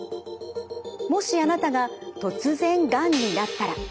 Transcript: もしあなたが突然がんになったら。